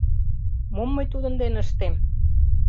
Мом мый тудын дене ыштем?